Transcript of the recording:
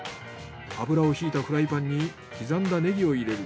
油をひいたフライパンに刻んだネギを入れる。